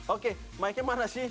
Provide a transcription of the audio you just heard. oke trace mic nya mana sih